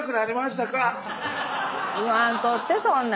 言わんとってそんな。